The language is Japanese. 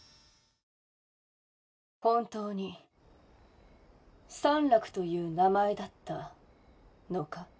本当にサンラクという名前だったのか？